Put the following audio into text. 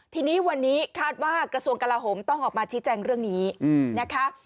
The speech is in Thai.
ทีนี้วันนี้คาดว่ากระทรวงกลาโหมต้องออกมาชี้แจงเรื่องนี้นะคะ